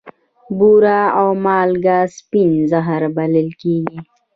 بوره او مالګه سپین زهر بلل کیږي.